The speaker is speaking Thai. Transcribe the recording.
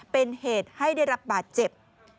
เป็นเหตุให้ได้รับบาดเจ็บ